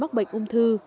mắc bệnh ung thư